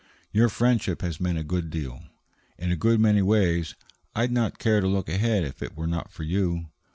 "Your friendship has meant a good deal. In a good many ways, I'd not care to look ahead if it were not for you.